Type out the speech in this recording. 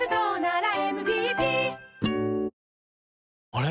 あれ？